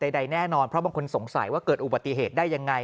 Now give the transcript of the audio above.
ใดแน่นอนเพราะบางคนสงสัยว่าเกิดอุบัติเหตุได้ยังไง